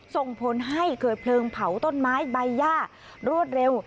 ส่งผลให้เกิดเพลิงเผาต้นไม้ใบย่ารวดเร็ว